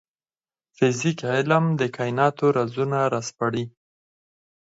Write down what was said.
فزیک علم د کایناتو رازونه راسپړي